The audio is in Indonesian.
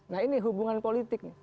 nah ini hubungan politik